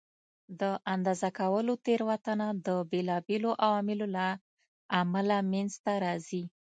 د اندازه کولو تېروتنه د بېلابېلو عواملو له امله منځته راځي.